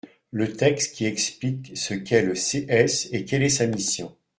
Le texte qui explique ce qu’est le CS et quelle est sa mission.